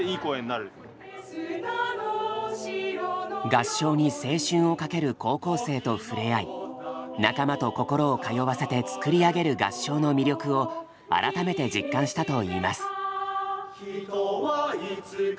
合唱に青春を懸ける高校生と触れ合い仲間と心を通わせて作り上げる合唱の魅力を改めて実感したといいます。